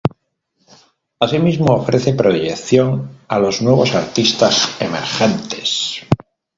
Asimismo ofrece proyección a los nuevos artistas emergentes.